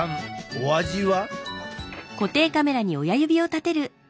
お味は？